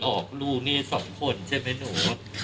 ออกลูกนี่๒คนใช่ไหมหนู